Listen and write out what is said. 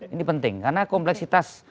ini penting karena kompleksitas